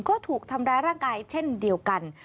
ก็ถูกทำร้ายร่างกายเช่นเดียวกัน